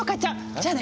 じゃあね！